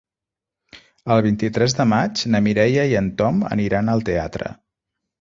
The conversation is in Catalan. El vint-i-tres de maig na Mireia i en Tom aniran al teatre.